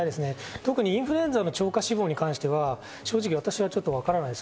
特にインフルエンザの超過死亡に関しては、正直、私はわからないです。